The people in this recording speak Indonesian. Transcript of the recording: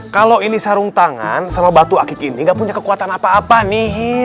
kalau ini sarung tangan sama batu akik ini gak punya kekuatan apa apa nih